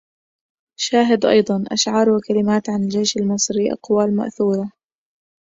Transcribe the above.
شاهد ايضًا: أشعار وكلمات عن الجيش المصري، أقوال مأثورة